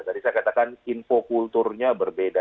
jadi saya katakan info kulturnya berbeda